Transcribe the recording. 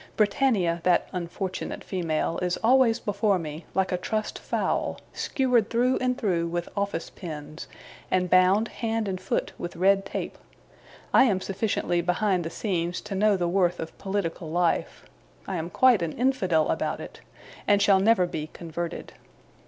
Britannia, that unfortunate female, is always before me, like a trussed fowl: skewered through and through with office pens, and bound hand and foot with red tape. I am sufficiently behind the scenes to know the worth of political life. I am quite an Infidel about it, and shall never be converted.